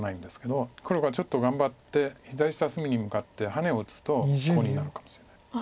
黒がちょっと頑張って左下隅に向かってハネを打つとコウになるかもしれない。